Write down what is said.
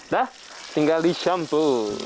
dah tinggal disyampu